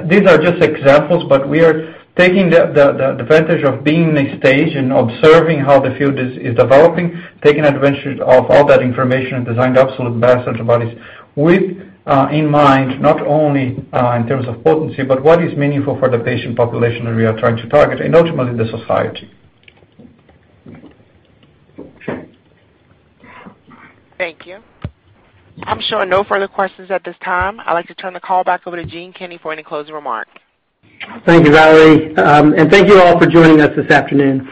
These are just examples, but we are taking the advantage of being in this stage and observing how the field is developing, taking advantage of all that information, and design the absolute best antibodies with in mind, not only in terms of potency, but what is meaningful for the patient population that we are trying to target and ultimately the society. Thank you. I'm showing no further questions at this time. I'd like to turn the call back over to Gene Kinney for any closing remarks. Thank you, Valerie. Thank you all for joining us this afternoon.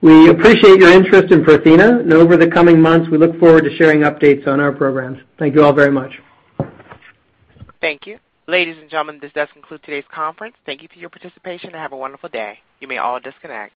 We appreciate your interest in Prothena and over the coming months, we look forward to sharing updates on our programs. Thank you all very much. Thank you. Ladies and gentlemen, this does conclude today's conference. Thank you for your participation and have a wonderful day. You may all disconnect.